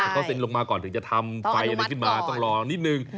แต่เขาเซ็นลงมาก่อนถึงจะทำไฟอะไรขึ้นมาต้องรอนิดนึง